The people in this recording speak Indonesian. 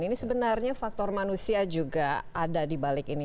ini sebenarnya faktor manusia juga ada di balik ini